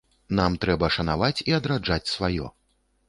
Нам трэба шанаваць і адраджаць сваё.